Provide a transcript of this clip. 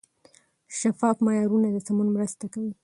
شفاف معیارونه د سمون مرسته کوي.